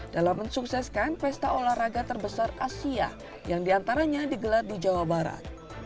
dalam mensukseskan pesta olahraga terbesar asia yang diantaranya digelar di jawa barat